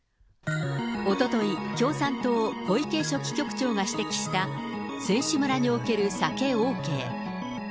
おととい、共産党、小池書記局長が指摘した、選手村における酒ＯＫ。